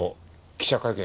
記者会見？